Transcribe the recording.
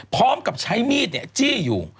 พร้อมกับใช้มีดจี้อยู่